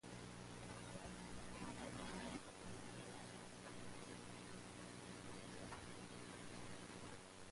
The Capitol scores were replaced instead with more modern, synthesized music.